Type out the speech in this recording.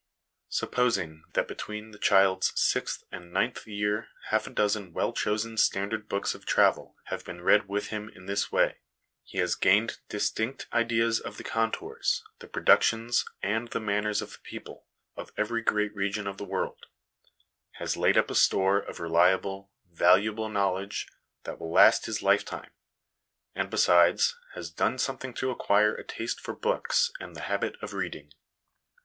Supposing that between the child's sixth and his ninth year half a dozen well chosen standard books of travel have been read with him in this way, he has gained distinct ideas of the contours, the productions, and the manners of the people, of every great region of the world ; has laid up a store of reliable, valuable knowledge, that will last his life time ; and besides, has done something to acquire a taste for books and the habit of reading.